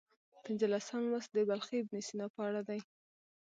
پنځلسم لوست د بلخي ابن سینا په اړه دی.